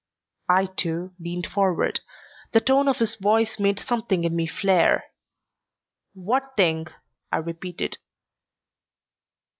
I, too, leaned forward. The tone of his voice made something in me flare. "What thing?" I repeated.